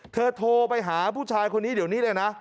โทรไปหาผู้ชายคนนี้เดี๋ยวนี้เลยนะ